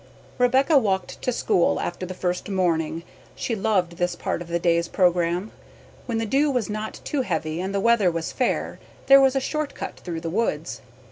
Rebecca walked to school after the first morning. She loved this part of the day's programme. When the dew was not too heavy and the weather was fair there was a short cut through the woods.